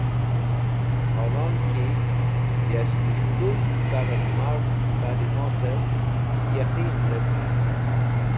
Holonki Yasht es̃h kuk̃ht Karl Marks Ta’limatev Yaqeen laceren.